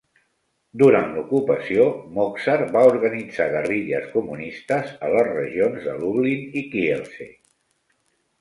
Durant l'ocupació, Moczar va organitzar guerrilles comunistes a les regions de Lublin i Kielce.